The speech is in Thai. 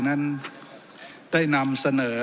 นั้นได้นำเสนอ